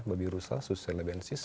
babi rusa susa lebensis